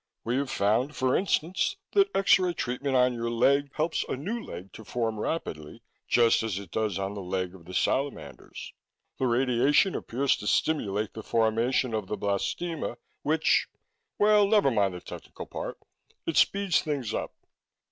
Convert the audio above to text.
We have found, for instance, that X ray treatment on your leg helps a new leg to form rapidly, just as it does on the leg of the salamanders. The radiation appears to stimulate the formation of the blastema, which well, never mind the technical part. It speeds things up."